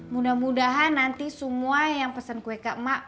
mudah mudahan nanti semua yang pesen kue kak mak